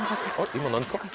今何ですか？